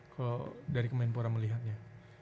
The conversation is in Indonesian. kalau dari kemenpora melihatnya